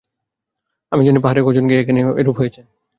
আমি পাজানি পাহাড়ে গিয়ে ভগবান কার্তিকের কাছে প্রার্থনা করব।